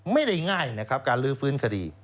ไม่ได้ง่ายนะครับการลื้อฟื้นคดี